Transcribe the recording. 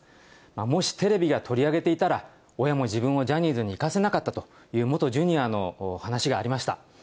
もしテレビが取り上げていたら、親も自分もジャニーズに行かせなかったという元ジュニアの話がありました。